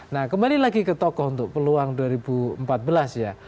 nah kembali lagi ke tokoh untuk peluang dua ribu empat belas ya